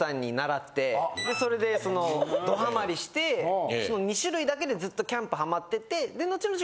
それでそのドハマりして２種類だけでずっとキャンプハマっててのちのち